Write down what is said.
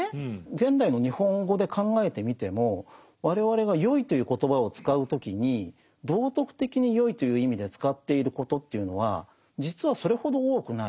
現代の日本語で考えてみても我々が「よい」という言葉を使う時に道徳的に善いという意味で使っていることというのは実はそれほど多くない。